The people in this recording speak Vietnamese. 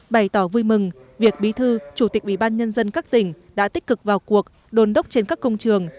bày tỏ vui mừng việc bí thư chủ tịch ubnd các tỉnh đã tích cực vào cuộc đồn đốc trên các công trường